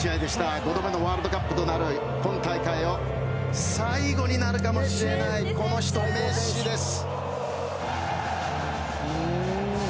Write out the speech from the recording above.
５度目のワールドカップとなる今大会が最後になるかもしれないメッシです。